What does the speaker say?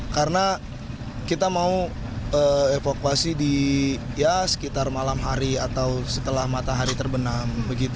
karena kita mau evakuasi di sekitar malam hari atau setelah matahari terbenam